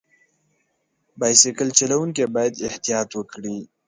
بایسکل چلوونکي باید احتیاط وکړي.